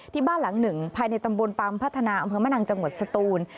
ที่บ้านหลังหนึ่งภายในตำบลปามพัฒนาอำเภอมะนังจังหวัดสตูน